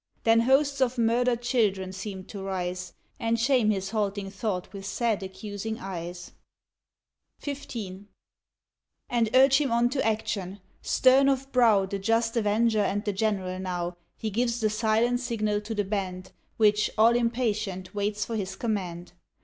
Then hosts of murdered children seemed to rise; And shame his halting thought with sad accusing eyes, XV. And urge him on to action. Stern of brow The just avenger, and the General now, He gives the silent signal to the band Which, all impatient, waits for his command.